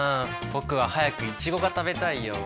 僕は早くイチゴが食べたいよ。